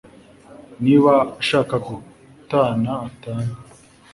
niba ashaka gutana atane